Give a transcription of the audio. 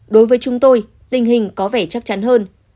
đối với chúng tôi tình hình có vẻ chắc chắn hơn